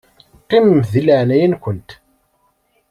Qqimemt di leɛnaya-nkent.